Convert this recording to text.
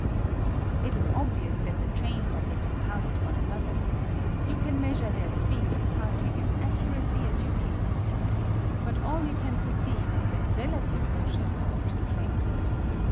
It is obvious that the trains are getting past one another. You can measure their speed of parting as accurately as you please. But all you can perceive is the relative motion of the two trains.